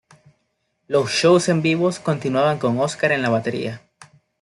Los shows en vivo continuaban con Oscar en la batería.